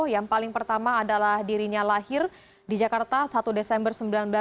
yang paling pertama adalah dirinya lahir di jakarta satu desember dua ribu sembilan belas